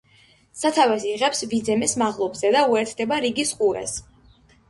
სათავეს იღებს ვიძემეს მაღლობზე და უერთდება რიგის ყურეს.